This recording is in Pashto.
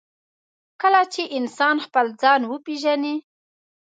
کله چې انسان خپل ځان وپېژني.